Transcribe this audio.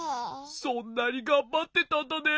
そんなにがんばってたんだね。